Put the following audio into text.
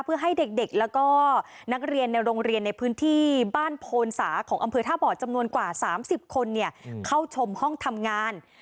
เพื่อให้เด็กแล้วก็นักเรียนในโรงเรียนในพื้นที่บ้านโพนสาของอำเภอท่าบ่อจำนวนกว่า๓๐คนเข้าชมห้องทำงาน